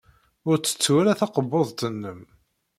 Ur ttettu ara takebbuḍt-nnem.